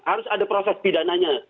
harus ada proses pidananya